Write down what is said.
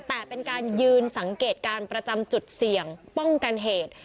แต่เป็นการยืนสังเกตการประจำจุดเสี่ยงป้องกันเหตุ